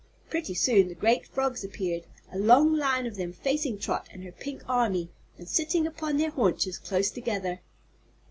Pretty soon the great frogs appeared, a long line of them facing Trot and her Pink Army and sitting upon their haunches close together.